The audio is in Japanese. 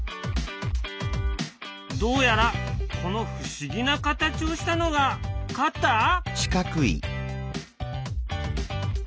どうやらこの不思議な形をしたのがカッター？